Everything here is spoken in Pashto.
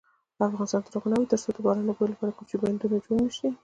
افغانستان تر هغو نه ابادیږي، ترڅو د باران اوبو لپاره کوچني بندونه جوړ نشي.